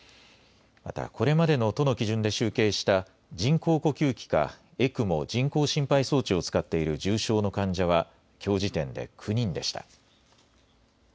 また、これまでの都の基準で集計した人工呼吸器か、ＥＣＭＯ・人工心肺装置を使っている重症の患者は、きょう時点で９人でした。